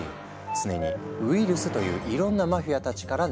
常にウイルスといういろんなマフィアたちから狙われているんだ。